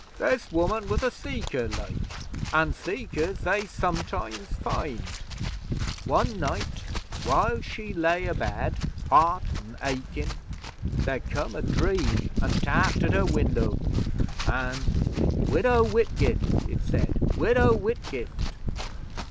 'This woman was a Seeker, like, an' Seekers they sometimes find. One night, while she lay abed, hot an' achin', there come a Dream an' tapped at her window, an' "Widow Whitgift," it said, "Widow Whitgift!"